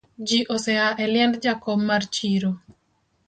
Ji osea eliend jakom mar chiro